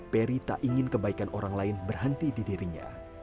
peri tak ingin kebaikan orang lain berhenti di dirinya